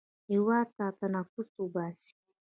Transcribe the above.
هېواد ته نفس وباسئ